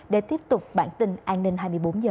để tiếp tục bản tin an ninh hai mươi bốn h